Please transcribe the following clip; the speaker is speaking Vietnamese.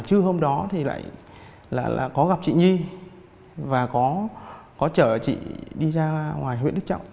chứ hôm đó thì lại có gặp chị nhi và có chở chị đi ra ngoài huyện đức trọng